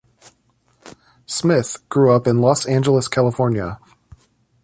Smith grew up in Los Angeles, California.